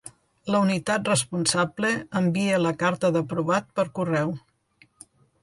La unitat responsable envia la carta d'aprovat per correu.